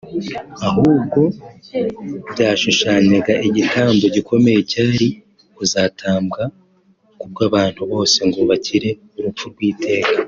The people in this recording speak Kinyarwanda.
ahubwo byashushanyaga igitambo gikomeye cyari kuzatambwa kubw’abantu bose ngo bakire urupfu rw’iteka